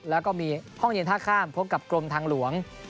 แล้วก็มีห้องเย็นท่าข้ามพบกับกรมทางหลวง